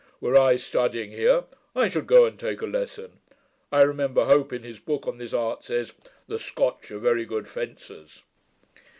'Were I studying here, I should go and take a lesson. I remember Hope, in his book on this art, says, "the Scotch are very good fencers".'